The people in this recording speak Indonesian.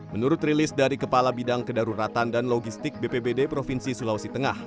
menurut rilis dari kepala bidang kedaruratan dan logistik bpbd provinsi sulawesi tengah